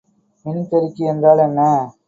மின்பெருக்கி என்றால் என்ன?